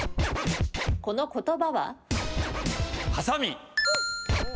この言葉は？